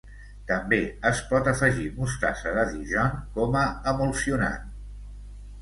També es pot afegir mostassa de Dijon com a emulsionant.